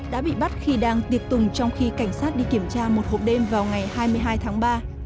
đã bị bắt khi đang tiệc tùng trong khi cảnh sát đi kiểm tra một hộp đêm vào ngày hai mươi hai tháng ba